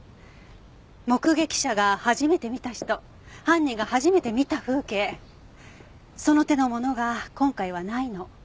目撃者が初めて見た人犯人が初めて見た風景その手のものが今回はないの。